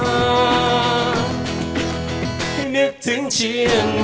ให้นึกถึงเชียงใหม่